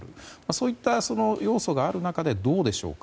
そういった要素がある中でどうでしょうか。